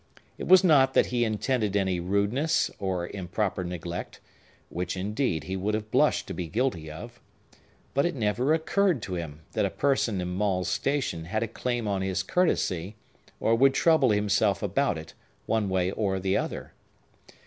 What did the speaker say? It was not that he intended any rudeness or improper neglect,—which, indeed, he would have blushed to be guilty of,—but it never occurred to him that a person in Maule's station had a claim on his courtesy, or would trouble himself about it one way or the other.